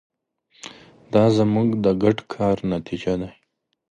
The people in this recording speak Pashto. دا زموږ د ګډ کار نتیجه ده.